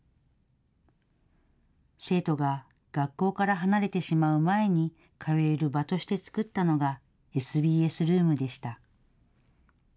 生徒が学校から離れてしまう前に通える場として作ったのがＳＢＳルームでした。